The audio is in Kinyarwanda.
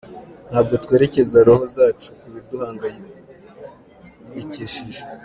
Ntabwo twerekeza roho zacu ku biduhangayikishije.